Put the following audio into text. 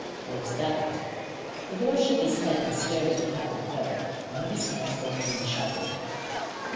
"Where's that?" The boy shook his head and stared at the cap and feather, one of his hands opening and shutting.